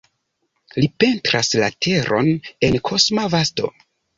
Li pentras la teron en kosma vasto.